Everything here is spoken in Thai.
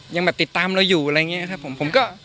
ยังติดตามละอยู่ผมก็